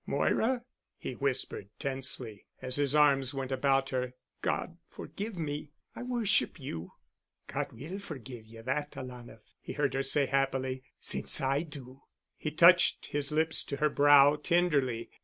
"Moira," he whispered, tensely, as his arms went about her. "God forgive me—I worship you." "God will forgive you that, alanah," he heard her say happily, "since I do." He touched his lips to her brow tenderly